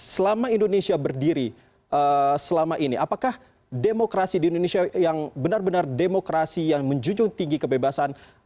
selama indonesia berdiri selama ini apakah demokrasi di indonesia yang benar benar demokrasi yang menjunjung tinggi kebebasan